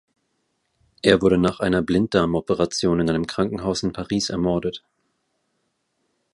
Er wurde nach einer Blinddarmoperation in einem Krankenhaus in Paris ermordet.